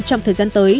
trong thời gian tới